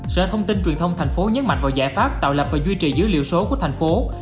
sở thông tin truyền thông tp hcm nhấn mạnh vào giải pháp tạo lập và duy trì dữ liệu số của tp hcm